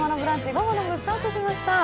午後の部スタートしました。